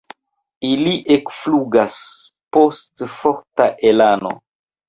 Ili ekflugas post forta elano.